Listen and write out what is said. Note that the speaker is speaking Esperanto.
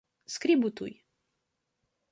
Skribu tuj.